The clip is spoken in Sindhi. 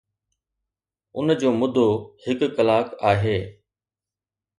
ان جو مدو هڪ ڪلاڪ آهي